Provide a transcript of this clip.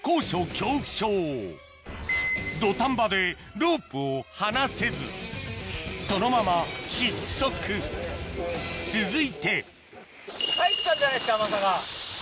土壇場でロープを離せずそのまま失速続いて太一さんじゃないですかまさか。